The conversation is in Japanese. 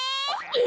え！？